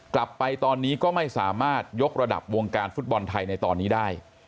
กลับไปตอนนี้ก็ไม่สามารถยกระดับวงการฟุตบอลไทยในตอนนี้ได้